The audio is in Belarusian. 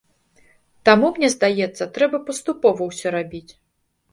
Таму, мне здаецца, трэба паступова ўсё рабіць.